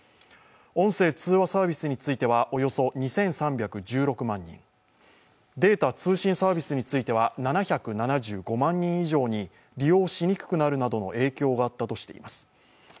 音声通話サービスについてはおよそ２３１６万人データ通信サービスについては７７５万人以上に利用しにくくなるなどの影響があったとしています。